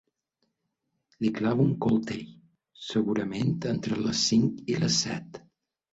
Li clava un coltell, segurament entre les cinc i les set.